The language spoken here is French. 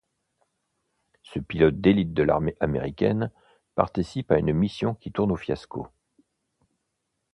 Ce pilote d'élite de l'armée américaine, participe à une mission qui tourne au fiasco.